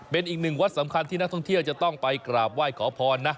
เป็นอีกหนึ่งวัดสำคัญที่นักท่องเที่ยวจะต้องไปกราบไหว้ขอพรนะ